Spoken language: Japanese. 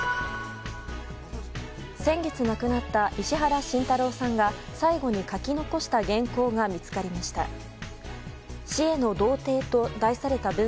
先月亡くなった石原慎太郎さんが最期に書き残した原稿が見つかりました。